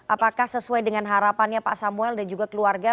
apakah sesuai dengan harapannya pak samuel dan juga keluarga